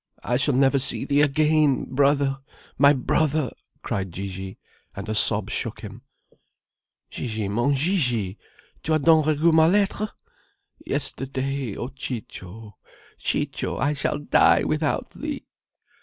I shall never see thee again, brother, my brother!" cried Gigi, and a sob shook him. "Gigi! Mon Gigi. Tu as done regu ma lettre?" "Yesterday. O Ciccio, Ciccio, I shall die without thee!"